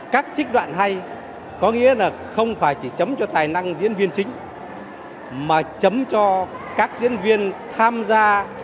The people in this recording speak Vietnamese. các trích đoạn hay có nghĩa là không phải chỉ chấm cho tài năng diễn viên chính mà chấm cho các diễn viên tham gia